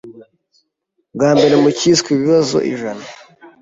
bwa mbere mu kiswe ibibazo ijana